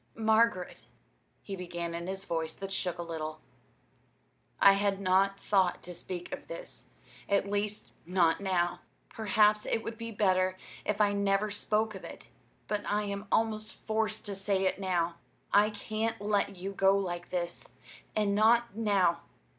"Margaret," he began in a voice that shook a little, "I had not thought to speak of this at least, not now. Perhaps it would be better if I never spoke of it; but I am almost forced to say it now. I can't let you go like this, and not know.